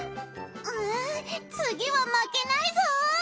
うつぎはまけないぞ！